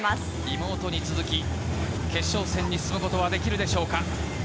妹に続き決勝戦に進むことはできるでしょうか。